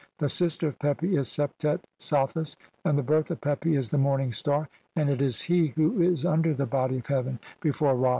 The sister of Pepi is Septet "(Sothis), and the birth of Pepi is the morning star, "and it is he who is under the body of heaven be "fore Ra.